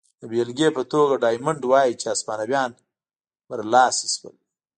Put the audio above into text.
د بېلګې په توګه ډایمونډ وايي چې هسپانویان برلاسي شول.